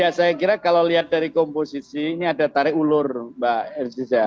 ya saya kira kalau lihat dari komposisi ini ada tarik ulur mbak irjiza